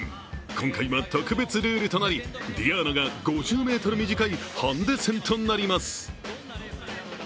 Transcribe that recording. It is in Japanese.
今回は特別ルールとなり、ｄｉａｎａが５０ｍ短い、ハンデ戦となります。